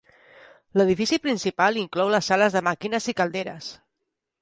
L'edifici principal inclou les sales de màquines i calderes.